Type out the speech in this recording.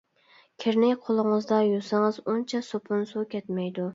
كىرنى قۇلىڭىزدا يۇسىڭىز ئۇنچە سوپۇن، سۇ كەتمەيدۇ.